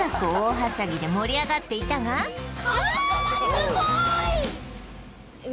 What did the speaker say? すごーい！